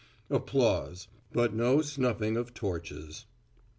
(Applause, but no snuffing of torches.)